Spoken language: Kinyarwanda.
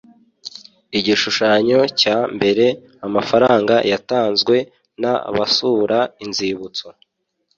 Igishushanyo cya mbere Amafaranga yatanzwe n abasura inzibutso